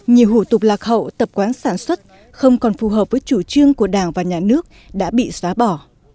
nhiều hủ tục lạc hậu tập quán sản xuất không còn phù hợp với chủ trương của đảng và nhà nước đã bị xóa bỏ